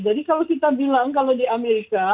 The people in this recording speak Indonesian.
jadi kalau kita bilang kalau di amerika